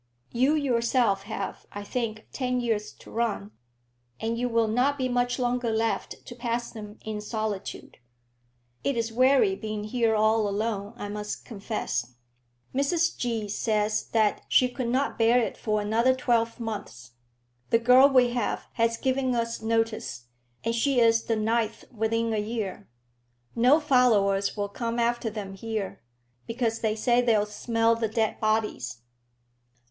You yourself have, I think, ten years to run, and you will not be much longer left to pass them in solitude." "It is weary being here all alone, I must confess. Mrs G. says that she could not bear it for another twelve months. The girl we have has given us notice, and she is the ninth within a year. No followers will come after them here, because they say they'll smell the dead bodies."